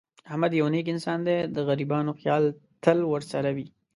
احمد یو نېک انسان دی. د غریبانو خیال تل ورسره وي.